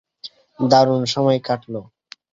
দারুণ সময় কাটলো।